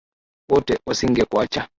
Wote wasingekuacha